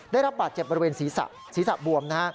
ได้รับบาดเจ็บบริเวณศรีษะบวม